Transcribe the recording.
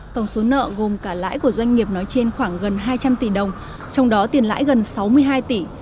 tổng số nợ gồm cả lãi của doanh nghiệp nói trên khoảng gần hai trăm linh tỷ đồng trong đó tiền lãi gần sáu mươi hai tỷ